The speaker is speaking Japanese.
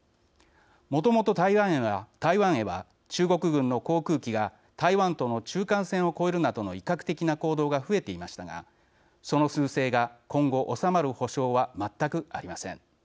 もともと、台湾へは中国軍の航空機が台湾との中間線を越えるなどの威嚇的な行動が増えていましたがその、すう勢が今後収まる保証は全くありません。